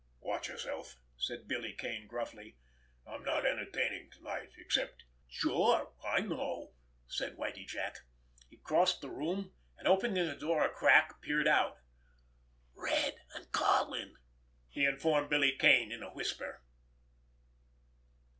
"Watch yourself!" said Billy Kane gruffly. "I'm not entertaining to night, except——" "Sure—I know!" said Whitie Jack. He crossed the room, and, opening the door a crack, peered out. "Red and Karlin," he informed Billy Kane in a whisper.